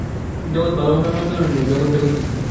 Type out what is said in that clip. জগৎ ভালও নয়, মন্দও নয়, জগৎ জগৎই।